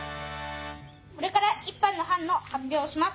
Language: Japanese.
これから１班の班の発表をします。